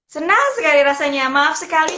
senang sekali rasanya maaf sekali